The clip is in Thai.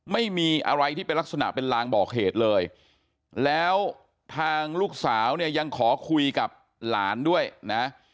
ไม่มีอะไรที่เป็นลักษณะเป็นลางบอกเหตุเลยแล้วทางลูกสาวเนี่ยยังขอคุยกับหลานด้วยนะ